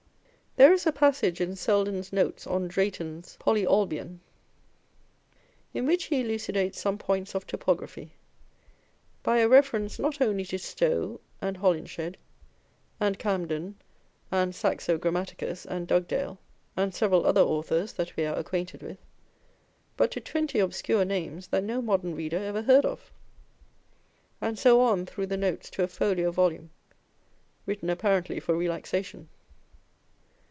There is a passage in Selden's notes on Drayton's Poly Olbion, in which he elucidates some point of topography by a reference not only to Stowe, and Holinshed, and Camden, and Saxo Grammaticus, and Dugdale, and several other authors that we are acquainted with, but to twenty obscure names, that no modern reader ever heard of ; and so on through the notes to a folio volume, written apparently for relaxation.